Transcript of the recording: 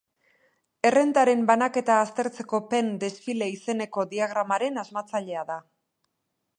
Errentaren banaketa aztertzeko Pen desfile izeneko diagramaren asmatzailea da.